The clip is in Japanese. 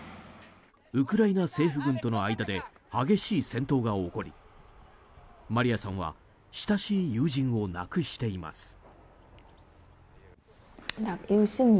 ウクライナ政府軍との間で激しい戦闘が起こりマリアさんは親しい友人を亡くしています。